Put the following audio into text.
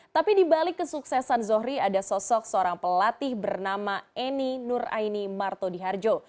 tapi dibalik kesuksesan zohri ada sosok seorang pelatih bernama eni nur aini martodiharjo